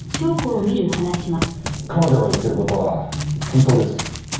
彼女が言ってる事は本当です。